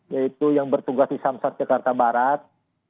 yaitu yang bertugas di samsat jakarta barat